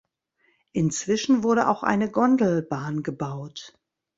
Inzwischen wurde auch eine Gondelbahn gebaut.